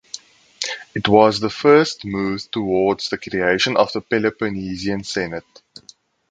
It was the first move towards the creation of the Peloponnesian Senate.